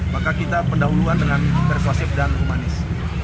maka kita pendahuluan dengan persuasif dan humanis